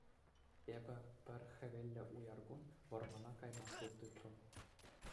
Эпӗ, пӗр хӗвеллӗ уяр кун, вӑрмана кайма шут тытрӑм.